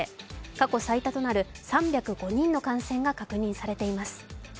過去最多となる３０５人の感染が確認されています。